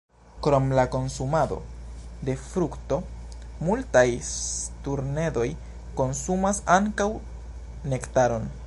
Krom la konsumado de frukto, multaj sturnedoj konsumas ankaŭ nektaron.